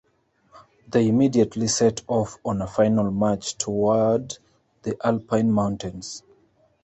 They immediately set off on a final march toward the Alpine Mountains.